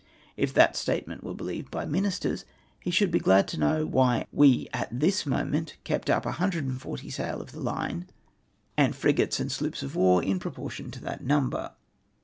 If that statement Avere believed by jNIinisters, he should lie glad to knoAv Avhy Ave at this moment kept up 140 sail of the line, and frigates and sloops of Avar in proportion to that number.